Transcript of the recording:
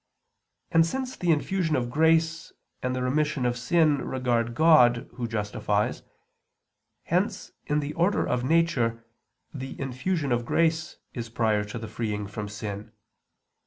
And since the infusion of grace and the remission of sin regard God Who justifies, hence in the order of nature the infusion of grace is prior to the freeing from sin.